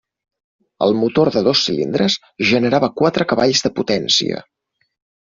El motor de dos cilindres generava quatre cavalls de potència.